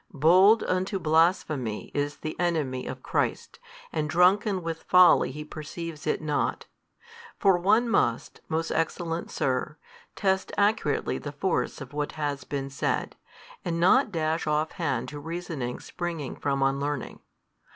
Bold unto blasphemy is the enemy of Christ and drunken with folly he perceives it not. For one must, most excellent sir, |248 test accurately the force of what has been said, and not dash offhand to reasonings springing from unlearning.